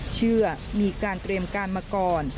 เชื่อมีการเตรียมการมาก่อน